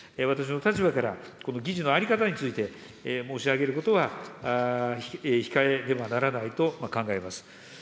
私の立場から、この議事の在り方について、申し上げることは、控えねばならないと考えます。